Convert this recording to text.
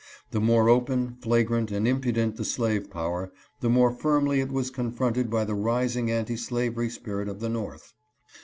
The more open, flagrant, and impudent the slave power, the more firmly it was confronted by the rising anti slavery spirit of the North.